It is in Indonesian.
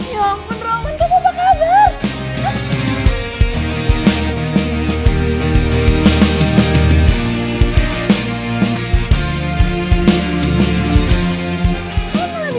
ya ampun roman kok apa kabar